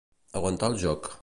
Aguantar el joc.